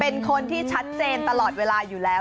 เป็นคนที่ชัดเจนตลอดเวลาอยู่แล้ว